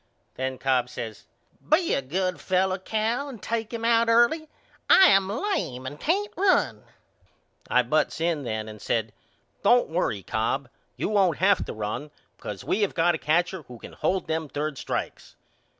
Then Cobb says Be a good fellow Cal and take him out early. I am lame and can't run. I butts in then and said Don't worry, Cobb. You won't have to run because we have got a catcher who can hold them third strikes.